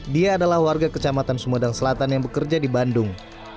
dia adalah warga kecamatan sumedang selatan yang bekerja di bandung